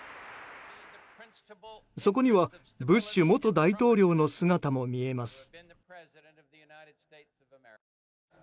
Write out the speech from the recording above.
そこにはブッシュ元大統領の姿も見えます。